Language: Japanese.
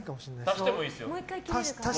足していいですか？